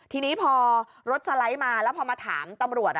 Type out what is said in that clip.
ทีนี้พอรถสไลด์มาแล้วพอมาถามตำรวจ